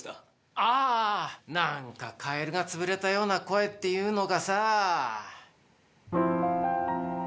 ああ、なんかカエルが潰れたような声っていうのかさ。